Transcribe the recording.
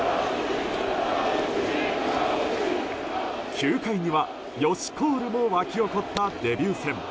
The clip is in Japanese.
９回にはヨシコールも沸き起こったデビュー戦。